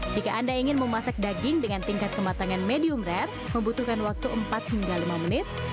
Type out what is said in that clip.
jika anda ingin memasak daging dengan tingkat kematangan medium rare membutuhkan waktu empat hingga lima menit